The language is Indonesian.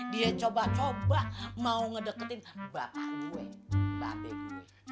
dia coba coba mau ngedeketin bapak gue mbak be gue